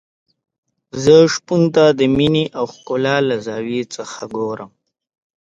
زه شپون ته د مينې او ښکلا له زاویې څخه ګورم.